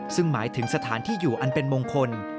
ซึ่งหมายถึงสถานที่อยู่อันเป็นมงคล